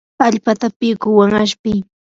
allpata pikuwan ashpii.